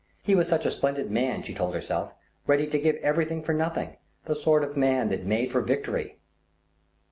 He was such a splendid man, she told herself. Ready to give everything for nothing. The sort of man that made for victory.